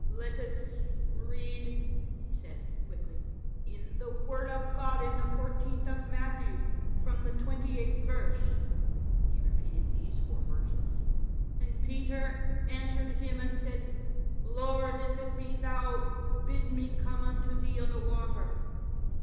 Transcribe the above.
"Let us read," he said, quickly, "in the Word of God in the fourteenth of Matthew, from the twenty eighth verse." He repeated these four verses: —"* And Peter answered Him and said. Lord, if it be Thou, bid me oome unto Thee on the water.